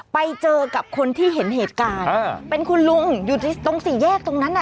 ไปเจอกับคนที่เห็นเหตุการณ์เป็นคุณลุงอยู่ตรงสี่แยกตรงนั้นอ่ะ